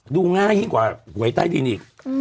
ดูง่ายยิ่งกว่าหวยใต้ดินอีก